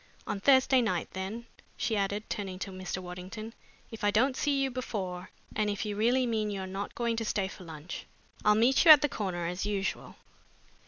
On Thursday night, then," she added, turning to Mr. Waddington, "if I don't see you before, and if you really mean you're not going to stay for lunch. I'll meet you at the corner as usual."